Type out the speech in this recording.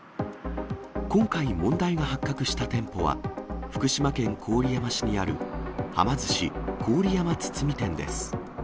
今回、問題が発覚した店舗は、福島県郡山市にあるはま寿司郡山堤店です。